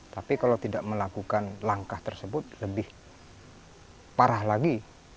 tapi kalau tidak melakukan langkah tersebut lebih parah lagi